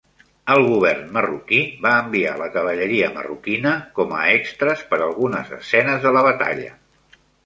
El govern marroquí va enviar la cavalleria marroquina com a extres per a algunes escenes de la batalla.